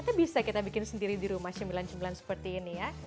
tapi bisa kita bikin sendiri di rumah sembilan sembilan seperti ini ya